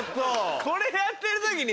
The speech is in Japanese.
これやってる時に。